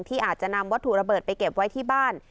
อาจจะนำวัตถุระเบิดไปเก็บไว้ที่บ้าน